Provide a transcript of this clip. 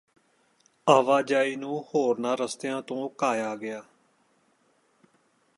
ਆਵਾਜਾਈ ਨੂੰ ਹੋਰਨਾਂ ਰਸਤਿਆਂ ਤੋਂ ਘਾਇਆ ਗਿਆ